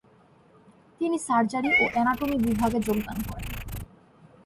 তিনি সার্জারি ও অ্যানাটমি বিভাগে যোগদান করেন ।